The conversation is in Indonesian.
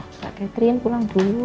kak catherine pulang dulu